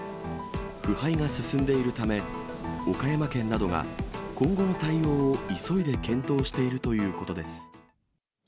腐敗が進んでいるため、岡山県などが今後の対応を急いで検討しているということです。